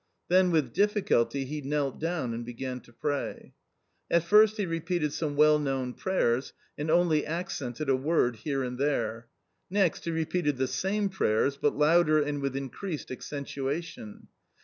Then with difficulty he knelt down and began to pray. At first he repeated some well known prayers, and only accented a word here and there. Next, he repeated thee same prayers, but louder and with increased accentuation.